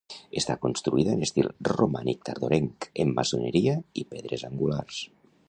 Està construïda en estil romànic tardorenc, en maçoneria i pedres angulars.